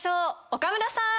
岡村さん。